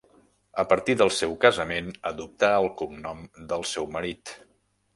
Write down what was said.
A partir del seu casament adoptà el cognom del seu marit.